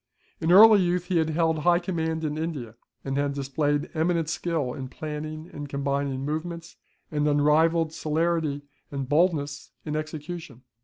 In early youth he had held high command in India; and had displayed eminent skill in planning and combining movements, and unrivalled celerity and boldness in execution.